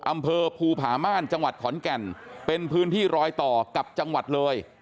อำเภอภูผาม่านจังหวัดขอนแก่นเป็นพื้นที่รอยต่อกับจังหวัดเลย